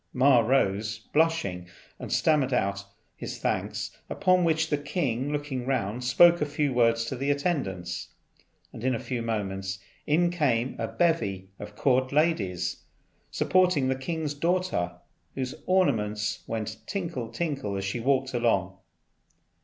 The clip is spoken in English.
Ma rose blushing, and stammered out his thanks; upon which the king looking round spoke a few words to the attendants, and in a few moments in came a bevy of court ladies supporting the king's daughter, whose ornaments went tinkle, tinkle, as she walked along.